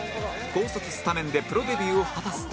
高卒スタメンでプロデビューを果たすと